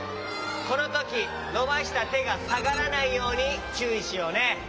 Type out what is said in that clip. このときのばしたてがさがらないようにちゅういしようね。